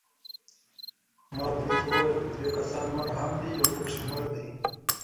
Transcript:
ما دوی ته وویل: درې کسان نور هم دي، یو پکښې مړ دی.